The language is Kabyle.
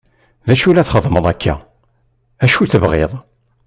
Acu la txeddmeḍ akka? acu tebɣiḍ?